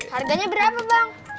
harganya berapa bang